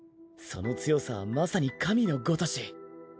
その強さはまさに神のごとし。